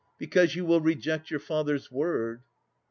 Because you will reject your father's word.